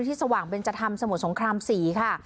สว่างเบนจธรรมสมุทรสงคราม๔ค่ะ